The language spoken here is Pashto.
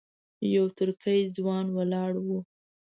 یو ترکی ځوان ولاړ و.